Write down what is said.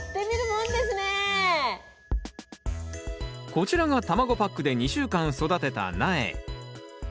こちらが卵パックで２週間育てた苗。